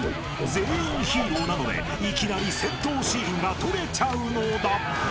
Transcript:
全員ヒーローなのでいきなり戦闘シーンが撮れちゃうのだ！］